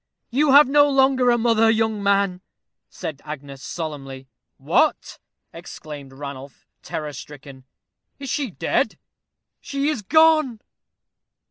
"You have no longer a mother, young man," said Agnes, solemnly. "What!" exclaimed Ranulph, terror stricken; "is she dead?" "She is gone."